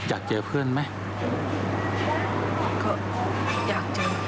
แล้วก็ผมก็เชื่อว่าเพื่อนอีก๙คนที่ติดอยู่ข้างในก็จะออกมาเร็วแล้ว